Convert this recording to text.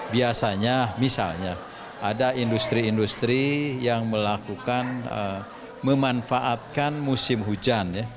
biasanya misalnya ada industri industri yang melakukan memanfaatkan musim hujan